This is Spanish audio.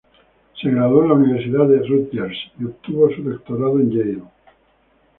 Se graduó en la Universidad de Rutgers y obtuvo su doctorado en Yale.